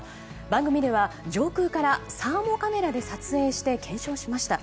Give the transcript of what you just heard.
番組では上空からサーモカメラで撮影して検証しました。